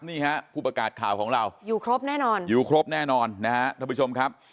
นี่ฮะผู้ประกาศข่าวของเราอยู่ครบแน่นอนอยู่ครบแน่นอนนะฮะท่านผู้ชมครับ